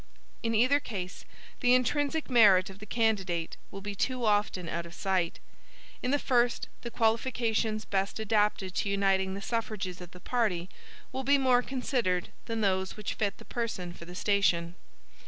In either case, the intrinsic merit of the candidate will be too often out of sight. In the first, the qualifications best adapted to uniting the suffrages of the party, will be more considered than those which fit the person for the station.